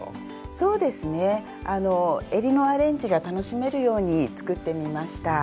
そうですねえりのアレンジが楽しめるように作ってみました。